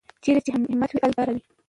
چېرې چې همت وي، هلته لاره وي.